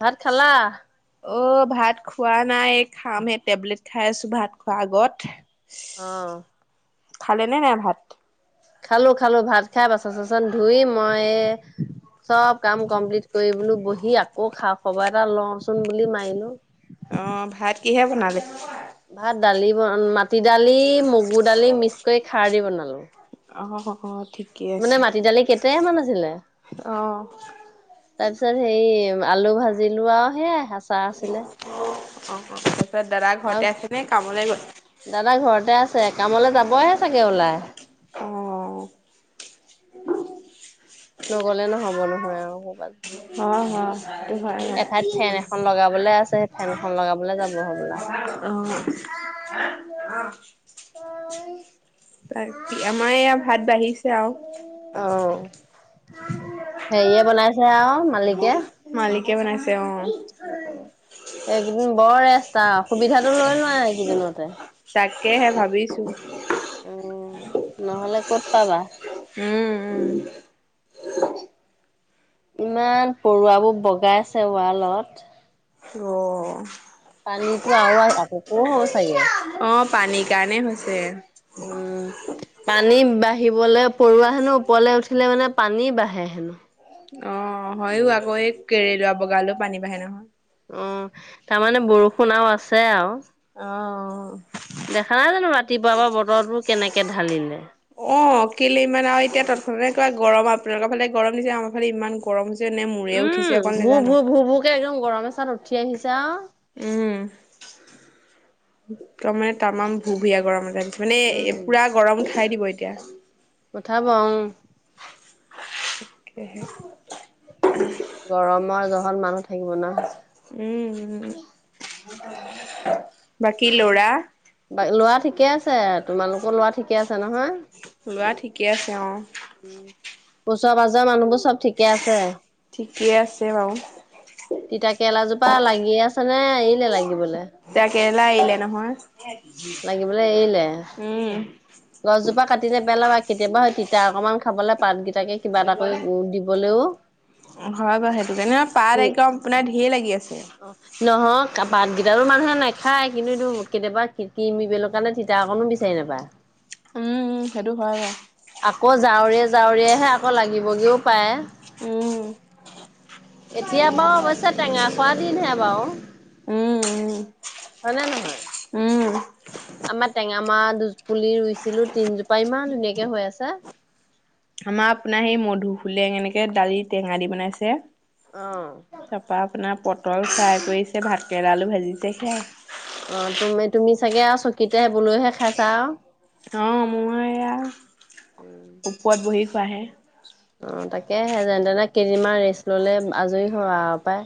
ভাত খালা? অ ভাত খোৱা নাই খামহে টেবলেট খাই আছো ভাত খোৱা আগত। অ। খালে নে নাই ভাত? খালোঁ, খালোঁ ভাত খাই বাচন-চাচন ধুই মই চব কাম কমপ্লিট কৰি বোলো বহি আকৌ খা- খবৰ এটা লওঁচোন বুলি মাৰিলোঁ। অ ভাত কিহে বনালি? ভাত দালি ব মাটি দালি মগু দালি মিক্স কৰি খাৰ দি বনালো। অ হহ ঠিক মানে মাটি দালি কেইটেমান আছিলে। অ তাৰপিছত হেৰি আলু ভাজিলো আও সেয়াই, আচাৰ আছিলে। অ অ তাৰপিছত দাদা আৰু ঘৰতে আছে নে কামলে গ'ল? দাদা ঘৰতে আছে। কামলে যাবহে চাগে ওলাই। অ' নগ'লে নহ'ব নহয় আও ক'বাত অ হ'য় সেইটো হ'য় ফেন এখন লগাবলে আছে সেই বাও। ফেনখন লগাবলে যাব হ'বলা। [unintelligible] অ তাকি আমাৰ এয়া ভাত বাঢ়িছে আও অ হেৰিয়ে বনাইছে আও মালিকে মালিকে বনাইছে অ উ এই এইকেইদিন বৰ একট্ৰা সুবিধাটো লৈ লোৱা এইকেইদিনতে। তাকেহে ভাবিছো। উম নহ'লে ক'ত পাবা উম উম ইমান পৰুৱাবোৰ বগাইছে ৱালত। অ পানীতো আও আহ আকৌ হ'ব চাগে। অ পানীৰ কাৰণে হৈছে। উম পানী বাঢ়িবলে পৰুৱা হেনো ওপৰলে উঠিলে মানে পানী বাঢ়ে হেনো। অ হয়ো আকৌ এই কেৰেলোৱা বগালেও পানী বাঢ়ে নহয়। অ তাৰমানে বৰষুণ আও আছে আও অ দেখা নাই জানো ৰাতিপুৱাৰ পৰা বতৰটো কেনেকে ঢালিলে। অ কেলে ইমান আৰু এতিয়া তৎক্ষনাতে কিবা গৰম আপোনালোকৰ ফালে গৰম নিচনা আমাৰ ফালে ইমান গৰম হৈছে নে মূৰে উঠিছে অকল নেজানো। এয়া একদম গৰমে চাত উঠি আহিছে আও উম তমানে তামাম ভুভিয়া গৰমতে আজি মানে উম পূৰা গৰম উঠাই দিব এতিয়া। উঠাব অও তাকেহে গৰমৰ জহত মানুহ থাকিব নোৱাৰা হৈছে। উম বাকী ল'ৰা বা ল'ৰা ঠিকে আছে। তোমালোকৰ ল'ৰা ঠিকে আছে নহয়? ল'ৰা ঠিকে আছে অ। ওচৰ পাজৰ মানুহবোৰ চব ঠিকে আছে? ঠিকে আছে বাও। তিতা কেৰেলা জোপা লাগি আছে নে এৰিলে লাগিবলে? তিতা কেৰেলা এৰিলে ন- লাগিবলে এৰিলে? উম। গছজোপা কাটি নেপেলাবা কেতিয়াবা তিতা অকনমান খাবলৈ পাত গিতাকেই [unintelligible] হয় বাৰু সেইটো কাৰনে অ পাত একদম আপোনাৰ ঢেৰ লাগি আছে। নহয় পাতকেইটাৰো মানুহে নাখায়। কিন্তু এইটো কেতিয়াবা খিতি মিবেলৰ কাৰণে ঠি- তিতা অকণো বিচাৰি নাপায়। উম উম সেইটো হয় বাও। আকৌ জাৱৰিয়ে জাৱৰিয়হে আকৌ লাগিবগেও পায়। উম। এতিয়া বাৰু অৱশ্যে টেঙা খোৱা দিনহে বাও। উম, হয়নে নহয়? উম, উম। আমাৰ টেঙামোৰা দুপুলি ৰুইছিলো তিনজোপা ইমান ধুনীয়াকে হৈ আছে। আমাৰ আপোনাৰ সেই মধু ফুলে এনেকে দালি টেঙা দি বনাইছে। অ। তা পা আপোনাৰ পটল ফ্ৰাই কৰিছে, ভাতকেৰেলা আলু ভাজিছে সেয়াই। অ তুমি তুমি চাগে আৰু চকীতে সেই বোলোহে খাইছা আও। অ মই এয়া ওপৰত বহি খোৱাহে। অ তাকে সে যেন তেনে কেইদিনমান ৰেষ্ট ললে আজৰি হ আও পায়।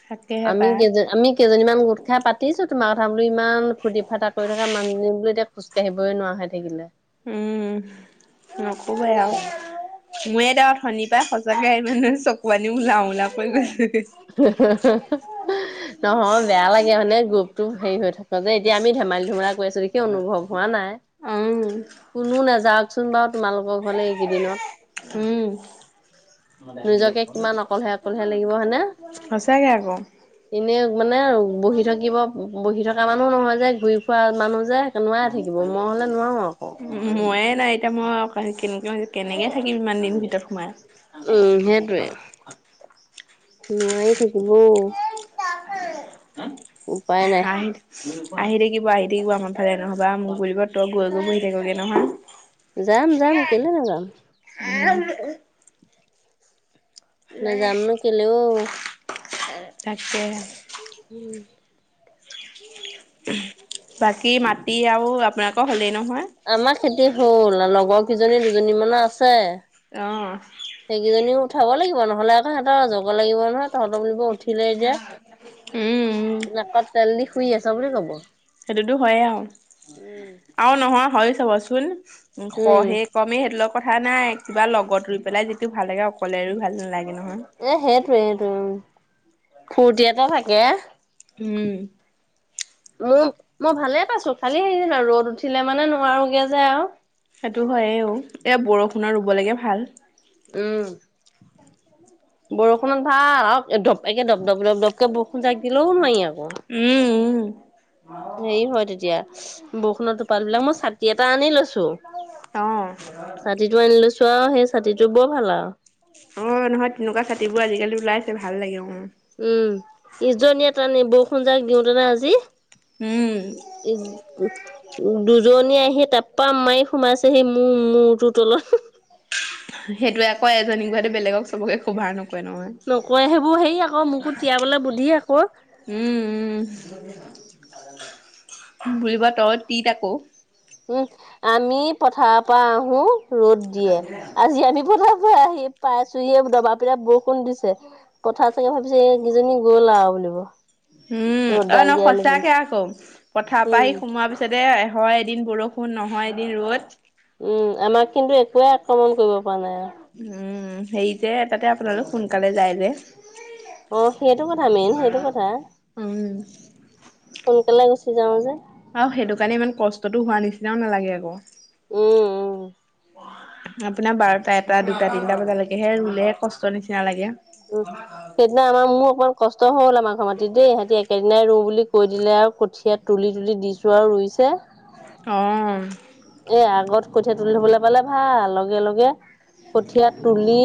থাক- আমি কেজে আমি কেইজনীমান গোট খাই পাতিছোঁ তোমাৰ কথা বোলো ইমান ফূ্তি ফাৰটা কৰি থকা মানুহজনী বোলো এতিয়া খোজ কাঢ়িবই নোৱাৰা হৈ থাকিলে। উম নকবয়াই আও। ময়ে দাও ধনী পাই সঁচাকে মানে চকু আনি মূলা মূলা কৈ গৈছে এ। [unintelligible] নহয়, বেয়া লাগে হানে গ্ৰুপটো হেৰি হৈ থাক- ত যে এতিয়া আমি ধেমালি ধুমেলা কৰি আছো সি অনুভৱ হোৱা নাই উম, কোনো নাযাওক। চোন বাও তোমালোকৰ ঘৰলে এইকেইদিনত উম, নিজকে কিমান অকলহে অকললেহে লাগিব হয়নে? সঁচাকে আকৌ। এনে মানে বহি থাকিব। বহি থকা মানুহ নহয় যে ঘূৰি ফুৰা মানুহ যে নোৱাই থাকিব মই হ'লে নোৱাও আক। উ ময়ে নাই এতিয়া মই কেনে কেনেকে থাকিম ইমান দিন ভিতৰত সোমাই। উম সেইটোৱে নোৱাৰি থাকিব ঔ। [unintelligible] উপায় নাই। আহি থাকিব আহি থাকিব আমাৰ ফালে নহবা মোক বব তই গৈ গৈ বহি থাকিবগে নহয়। যাম যাম কেলে নাযাম। [unintelligible] নাযাম ন কেলে ঔ। তাকে। উম। বাকী মাটি আৰু আপোনালোকৰ হলেই নহয়। আমাৰ খেতি হ'ল লগৰ কেইজনী দুজনী মানৰ আছে। অঁ। সেইকেইজনীও উঠাব লাগিব নহ'লে আকৌ সিহঁতৰ যাব লাগিব নহয়। তহঁতুলিব উঠিলৈ যে, উম উম নাকত তেল দি শুই আছে বুলি কব। সেইটোতো হয়ে আও, উম আও নহয় হয় চাবচোন শ উম, শেষ। কমেই সেইটোৰ কথা নাই কিবা লগত ৰুই পেলাই যিটো ভাল লাগে অকলে ৰুই ভাল নালাগে নহয়। এই সেইটোৱে সেইটোৱে, ফূৰ্তি এটা থাকে। উম। মোৰ মই ভালে পাইছো খালি হেৰি আৰু ৰ'দ উঠিলে মানে নোৱাৰোগে যে আও। সেইটো হয়ও এয়া বৰষুণৰ ৰুব লাগে ভাল। উম, বৰষুণত ভাল আৰু ধপ একে ধপডপ দপডপ। কেব বৰষূণ জাক দিলেও নোৱাৰি আকৌ। উম উম। হেৰি হয় তেতিয়া বৰষুণৰ টোপাল বিলাক মই ছাতি এটা আনি লৈছো। অ', ছাতিটো আনি লৈছো আৰু সেই ছাতিটো বৰ ভাল আও। অঁ নহয় তেনেকুৱা ছাতিবোৰ আজিকালি ওলাইছে ভাল লাগে অঁহ। উম ইজনীয়ে তানে বৰষুণ যাক দিওঁতোনে আজি। উম উ [unintelligible] দুজনী আহি টেপা মাৰি সোমাইছেহি মোৰ মূৰটোৰ তলত। সেইটোৱে কয় এজনী গাহতে বেলেগক চবকে সোভা নকৰে নহয়। নকোৱে সেইবোৰ হেই আকৌ মোকো তিয়াবলে বুধি আকৌ। উম, উম বুুলিব তই তিত আকৌ। উম আমি পথাৰৰ পৰা আহো ৰ'দ দিয়ে আজি আমি পথাৰ পৰা আহিম। পাইছহে দবা পিটা বৰষুণ দিছে পথাৰ চাগে ভাবিছে এই কেইজনী গ'ল আৰু বুলিব। উম অ ৰ'দডাল দিয়াই নহয় ল'বলৈ। সচাকে আকৌ পথাৰ পৰা উম। আহি সোমোৱাৰ পিছত। পিছতে হয় এদিন বৰষুণ নহয় এদিন ৰ'দ। উম আমাক কিন্তু একোৱেই আক্ৰমণ কৰিব পৰা নাই আৰু। উম হেৰিতে এ তাতে আপোনালোক সোনকালে যাই যে। অ সেইটো কথা মেইন সেইটো কথা উম সোনকালে গুচি যাও যে। আৰু সেইটো কাৰণে ইমান কষ্টটো হোৱা নিচিনাও নালাগে আকৌ। উম উম আপোনাৰ বাৰটা এটা দুটা তিনটা বজালৈকে হে ৰুলে কষ্ট নিচিনা লাগে। উম সেইদিনা আমাৰ মোৰ অকমান কষ্ট হৈ হ'ল আমাৰ ঘৰ মাটতি দেই সিহঁতি একে- এনেই ৰুওঁ বুলি কৈ দিলে আৰু কঠীয়া তুলি তুলি দিছো আৰু ৰুইছে। অঁ এ আগত কঠীয়া তুলি থবলৈ পালে ভাল লগে লগে। কঠীয়া তুলি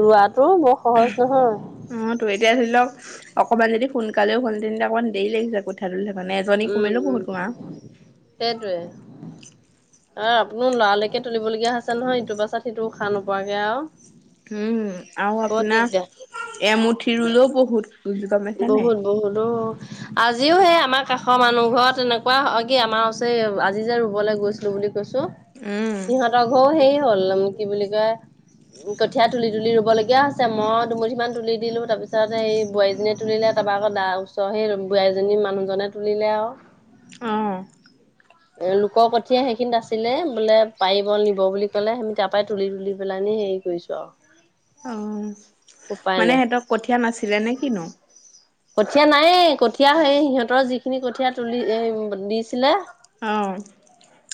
ৰোৱাটো বৰ সহজ নহয়। উম, তো এতিয়া ধৰি লওক অকণমান যদি সোনকালেও হ'ল হেতেন অকমান দেৰি লাগিছে কঠিয়া- মানে এজনী উম কমিলো উম। বহুত কমা আৰু। সেইটোৱে- অ আপোনাৰ লৰালৰিকে তুলিবলগীয়া হৈছে নহয় ইটো পাছত সিটো উশাহ নোপোৱাকে আৰু। উম আৰু বৰ আপোনাৰ দিগদাৰ এমুঠি ৰুলেও বহুত গম পাইছা নাই। অঁ গলোঁ। আজিও সেই আমাৰ কাষৰ মানুহ ঘৰত তেনেকুৱা হয় কি আমাৰ ওচৰ আজি যে ৰুবলৈ গৈছিলো বুলি কৈছো। উম সিহঁতৰ ঘৰও হেৰি হ'ল কি বুলি কয় কঠীয়া তুলি তুলি ৰুব লগীয়া হৈছে মই দুমুঠি মান তুলি দিলো তাৰপিছত এই বোৱাৰীজনীয়ে- তুলিলে তাৰপৰা আকৌ দা ওচৰ সেই বোৱাৰী জনী মানুহজনে তুলিলে আৰু। অ এ লোকৰ কঠীয়াই সেইখিনিত আছিলে বোলে পাৰিব নিব বুলি ক'লে আমি তাৰ পৰাই তুলি - তুলি পেলাই নি হেৰি কৰিছোঁ', ক? অহ', মানে সিহঁতৰ কঠীয়া নাছিলে নে কিনো? কঠীয়া নাই কঠীয়া হেৰি সিহঁতৰ যিখিনি কঠীয়া তুলি এ', - উম', -ব', দিছিলে', হয়',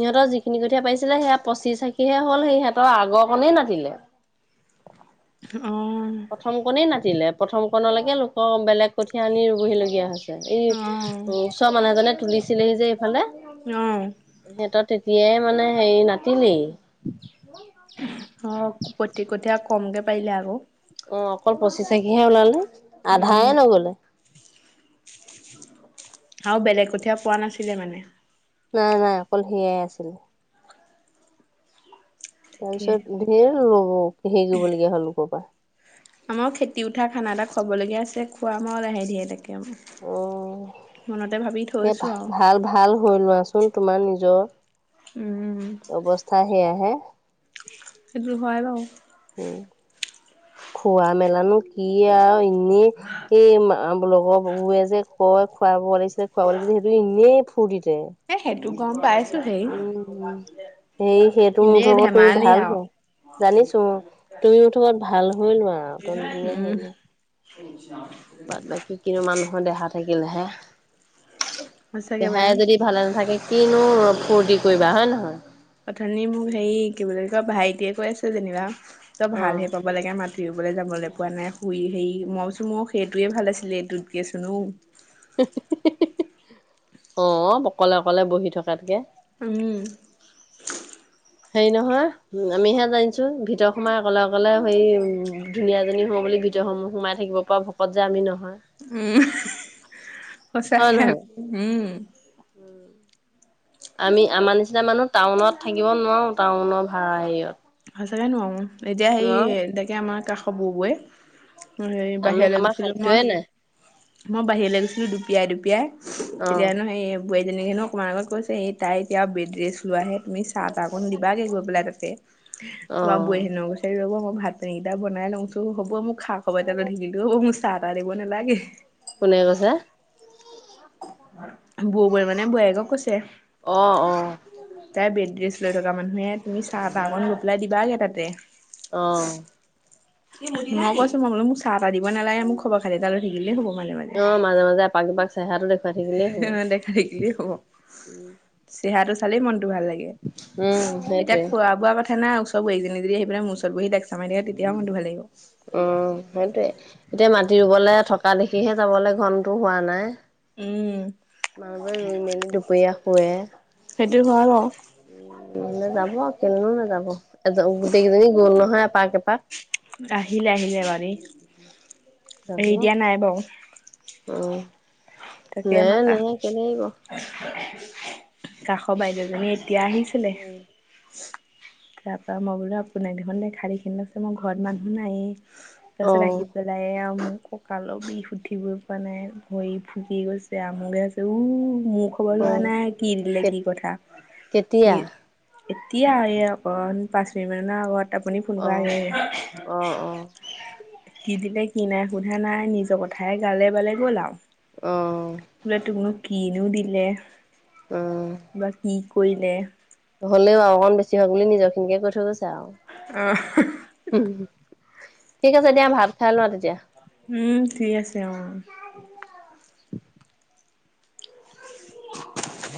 সিহঁতৰ যিখিনি কঠীয়া পাৰিছিলে সেয়া পঁচি আঁখীহে হ'ল সেই সিহঁতৰ আগৰ কণই নাছিলে ', উম', অওওও', -উম', প্ৰথম কনেই নাছিলে, প্ৰথম কণলৈকে লোকৰ বেলেগ', কঠীয়া আনি ৰুবহি লগীয়া হৈছে এই', অ - উম', ওচৰ মানুহজনে তুলিছিলেহি যে ইফালে', অহ', সিহঁতৰ তেতিয়াই মানে হেৰি নাতিলি', ক', -ক', -কঠী', -কঠীয়া কমকে পাৰিলে আকৌ', অওও', অকল পঁচিশ তাৰিখেহে ওলালে, উম আধায়ে নগলে', আৰু বেলেগ কঠীয়া পোৱা নাছিলে মানে', নাই - নাই অকল সেয়াই আছিল', তাকে তাৰপিছত ধেৰ ল'ব, হেৰি ল'ব লগীয়া হ'ল লোকৰ পৰা', আমাৰ খেতি উঠা খানা এটা খোৱাব লগীয়া আছে খোৱাম আওঁ লাহে ধীয়ে তাকে', মনতে ভাবি থা', সিহঁত ভা', -ভাল - ভাল হ'ল লোৱাচোন তোমাৰ নিজৰ', উম', অৱস্থা সেয়াহে', সেইটোৱে সেইবোৰ হয় বাৰু', উম', খোৱা - মেলানো কি আৰু', হুম এই', সেই মা', - আ', লগৰ বো', - বোৰে যে কয় খুৱাব লাগিছিলে, খুৱাব লাগিছিলে সেই', বুলি বৰ ফুৰ্তিতে, এ সেইটো গম পাইছোঁ হেই', সেই সেইটো মুঠতে ভাল আৰু হয়', জানিছোঁ, তুমি এতিয়া ভাল হৈ লোৱা আৰু টন - টনীয়া হৈ লোৱা', আচ্ছা', বাদ - বাকী কি নো মানুহৰ দেহা থাকিলেহে, সঁচাকে বাই দেহাই যদি', ভালে নাথাকে কি নো ফূৰ্তি কৰিবা হয় নহয়', অথনি মোক হেৰি কি বুলি কয় ভাইটিয়ে কৈ আছে যেনিবা তই ভাল অ', হে পাব', পাব লাগে মাতিবলৈ যাবলৈ পোৱা নাই, শুই হেৰি মই কৈছোঁ মোক সেইটোৱে ভাল আছিলে এইটোত কে চোন নো', হিঃ - হিঃ - হিঃ, হে - হে, অ', অকলে- অকলে বহি থকাতকে', উম', হেৰি নহয় হুম', আমিহে জানিছোঁ, ভিতৰত সোমাই অকলে - অকলে সেই উম', ধুনীয়া এজনী হব বুলি ভি', ধৰ্য্যসমূহ সোমাই থাকিব পৰা শকত যে আমি নহয়', উম, সঁচাকে, উমমমম', উম', আমি আমাৰ নিচিনা মানুহ টাউনত থাকিব নোৱাৰোঁ, টাউনৰ ভাড়া হেৰিয়ত', সঁচাকে নোৱাৰোঁ, এতিয়া সেই নোৱাৰো তাকে আমাৰ কাষৰ বুবুৱে', এই আমি বাহিৰলৈ আমাৰ গৈছিলোঁ মই', খাদ্যয়ে নাই মই বাহিৰলৈ গৈছিলোঁ দুপিয়াই - দুপিয়াই, অ তেতিয়ানো হেৰি সেই', বোৱাৰীজনী ন অকণমান আগত কৈছেহি এই তাই এতিয়া বেড ৰেষ্ট লোৱাহে, তুমি চাহ -তাহ অকণ দিবাগে গৈ', লাজতে, অ তোমাৰ বোৱাৰীজনীও কৈছে ৰব মই ভাত পানীকেইটা বনাই লওঁ চোন, হ'ব মোক খা', হ'ব দে তাৰপিছত বিলটো অ', মোক চাহ - তাহ দিব নালাগে', কোনে কৈছে? বুবুৱে মানে বোৱাৰীকক কৈছে', অ', অহ', তাই বেড ৰেষ্ট লৈ থকা মানুহহে তুমি চাহ তাহ অকণ গৈ পেলাই দিবাগে তাতে। অ', মই কৈছো মই বোলো মোক চাহ তাহ দিব নালাগে মো খবৰ খাতি এটা লৈ থাকিলেই হ'ব মাজে - মাজে। অ, মাজে - মাজে এপাক দুপাক চেহৰাটো দেখুৱাই থাকিলেই হ'ব। সেইখিনি এই হ'ব উম চেহেৰাটো চালেই মনটো ভাল লাগে। উম এতিয়া সেইটোৱে খোৱা বোৱা কথা নাই ওচ ওচৰৰ বোৱাৰী কেইজনি যদি আহি পেলাই মোৰ ওচৰত বহি লেকচাৰ মাৰি থাকে তেতিয়াও মনটো ভাল লাগিব। উম, সেইটোয়ে এতিয়া মাটি ৰুবলৈ থকা দেখিহে যাবলৈ ঘনটো হোৱা নাই। উম, মানুহবোৰে ৰুই মেলি দুপৰীয়া শুৱে। সেইটো হয় বাৰু নে যাব কেলেনো নাযাব এ গোটেইকেইজনী গ'ল নহয় এপাক - এপাক। আহিলে - আহিলে বাৰী। যাব উম, তাকে নেৰে আমাৰ - কা নেৰে কেলে এৰিব। কাষৰ বাইদেউজনী এতিয়া আহিছিলে। [inaudible] তা পা মই বোলো আপোনাক দেখুন দেখা দেখি না চি মই ঘৰত মানুহ নাইয়েই অ তাৰপিছত আহি পেলাই এয়া মোক কঁকালৰ বিষ উঠিবই পৱা নাই ভৰি দি গৈছে আমুকহে হৈছে উ মোক খবৰ অ লোৱা নাই কি দিলে কে কি কথা ই কেতিয়া এতিয়া এহ অকণ পাঁচ মিনিট মানৰ আগত আপুনি ফোন অ কৰা আগে আগে অ অ কি দিলে কি নাই সোধা নাই নিজৰ কথাই গালে বালে গ'ল আও অ, বোলে তোকনো কিনো দিলে উম বা কি কৰিলে? হলেও আৰু অকন বেছি হওক বুলি নিজৰ খিনিকে কৈ থৈ গৈছো আও অ', উম, ঠিক আছে দিয়া ভাত খাই লোৱা তেতিয়া। উম, ঠিক আছে অ, [unintelligible]